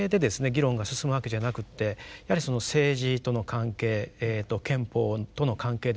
議論が進むわけじゃなくってやはり政治との関係憲法との関係ですね